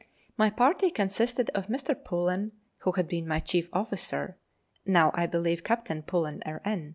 My party consisted of Mr. Pullen, who had been my chief officer (now, I believe, Captain Pullen, R.N.